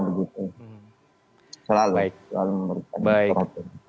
begitu selalu selalu memberikan perhatian